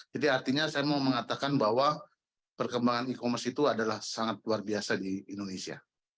jadi artinya saya mau mengatakan bahwa perkembangan e commerce itu adalah sangat luar biasa di indonesia